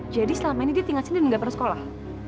jadi selama ini dia tinggal sini dan gak pernah sekolah